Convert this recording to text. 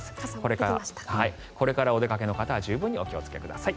これからお出かけの方は十分にお気をつけください。